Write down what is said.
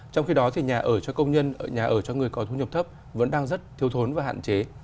trong khi đó nhà ở cho công nhân nhà ở cho người có thu nhập thấp vẫn đang rất thiếu thốn và hạn chế